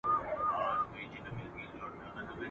ما ویل چي به ډوبيږي جاله وان او جاله دواړه !.